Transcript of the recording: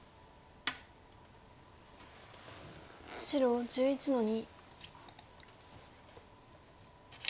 白１１の二。